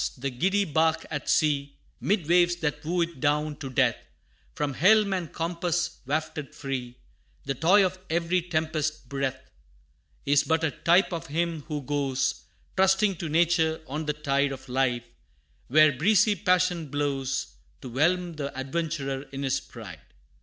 the giddy bark at sea, 'Mid waves that woo it down to death, From helm and compass wafted free, The toy of every tempest's breath, Is but a type of him who goes, Trusting to nature, on the tide Of life, where breezy passion blows, To whelm the adventurer in his pride.